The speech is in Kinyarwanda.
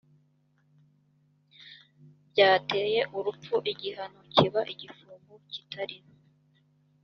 byateye urupfu igihano kiba igifungo kitari